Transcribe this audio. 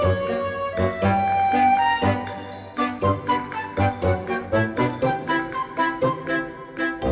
ร้องมีชาติไทยนะครับ